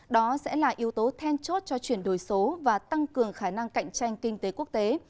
đó sẽ là yếu tố then chốt cho chuyển đổi số và tăng cường khả năng cạnh tranh kinh tế quốc tế